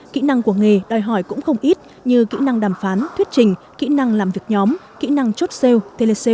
kỹ năng của nghề đòi hỏi cũng không ít như kỹ năng đàm phán thuyết trình kỹ năng làm việc nhóm kỹ năng chốt sale tc